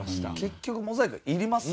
結局モザイクはいりますよ。